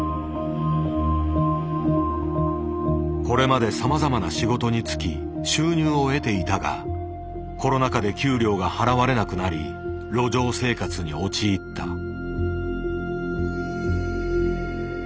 これまでさまざまな仕事に就き収入を得ていたがコロナ禍で給料が払われなくなり路上生活に陥った。